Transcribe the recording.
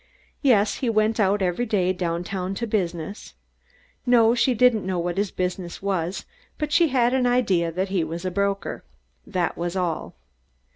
Yes, he went out every day, downtown to business. No, she didn't know what his business was, but she had an idea that he was a broker. That was all.